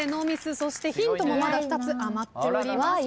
そしてヒントもまだ２つ余っております。